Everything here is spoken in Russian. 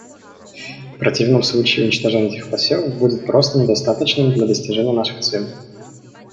В противном случае уничтожения этих посевов будет просто недостаточным для достижения наших целей.